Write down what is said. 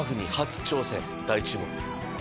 大注目です。